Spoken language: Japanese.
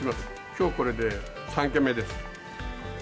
きょうこれで３軒目です。